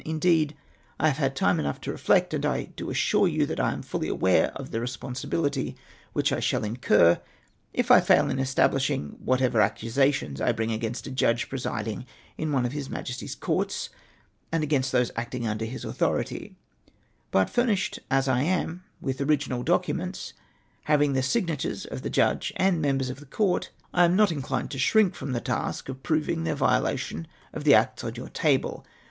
Indeed, I have had time enougli to reflect, and I do assure you that I am fully aware of the responsibility which I shall incur if I fail in establish ing whatever accusations I bring against a judge presiding in one of His Majesty's courts, and against those acting under his authority ; but furnished as I am with original docu ments, having the signatures of the judge and members of the Court, I am not inclined to shrink from the task of proving their violation of the Acts on your table, e.